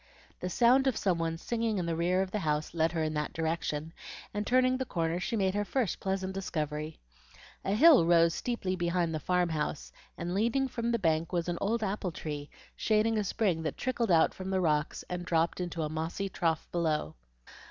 The sound of some one singing in the rear of the house led her in that direction, and turning the corner she made her first pleasant discovery. A hill rose steeply behind the farm house, and leaning from the bank was an old apple tree, shading a spring that trickled out from the rocks and dropped into a mossy trough below.